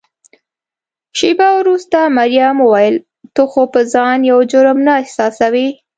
شیبه وروسته مريم وویل: ته خو به ځان یو مجرم نه احساسوې؟